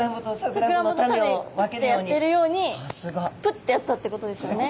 プッてやってるようにプッてやったってことですよね。